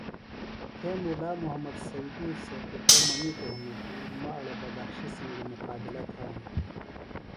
تھےۡ مُلا محمد سیدی سےۡ پُترہ منِیتوۡ ہِنوۡ کیۡ مہ ڑے بدخشیۡ سنگیۡ مقابلہ تھانوۡ